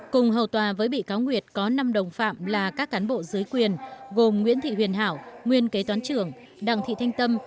cùng hầu tòa với bị cáo nguyệt có năm đồng phạm là các cán bộ dưới quyền gồm nguyễn thị huyền hảo nguyên kế toán trưởng đặng thị thanh tâm